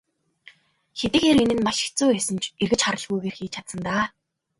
Хэдийгээр энэ нь маш хэцүү байсан ч эргэж харалгүйгээр хийж чадсан даа.